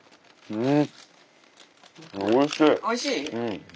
うん。